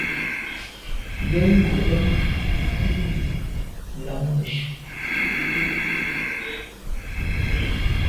Yen ngub nyàm li lam neshu.